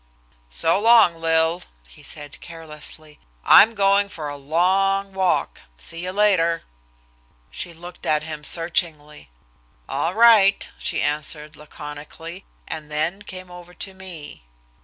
"So long, Lil," he said carelessly. "I'm going for a long walk. See you later." She looked at him searchingly. "All right," she answered laconically, and then came over to me.